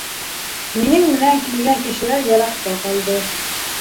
Минең менән килгән кешеләр йыраҡта ҡалды.